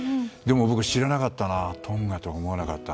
でも僕知らなかったな。